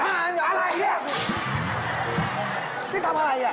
หรืออะไรเนี่ยพี่ทำอะไรอ่ะ